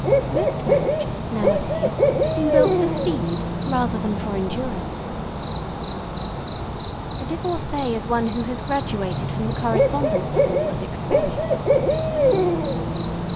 Most marriages, nowadays, seem built for speed rather than for endurance. A divorcée is one who has graduated from the Correspondence School of Experience.